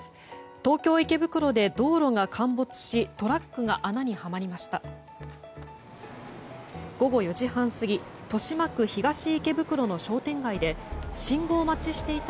東京・池袋で道路が陥没しトラックが穴にはまりました。